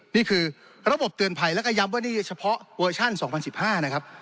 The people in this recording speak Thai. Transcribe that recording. นี่คือระบบเตือนภัยแล้วก็ย้ำว่านี่เฉพาะเวอร์ชั่น๒๐๑๕นะครับ